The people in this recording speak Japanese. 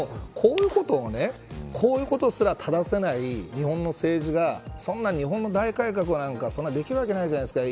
でも、こういうことすら正せない日本の政治がそんな日本の大改革なんかできるわけないじゃないですか。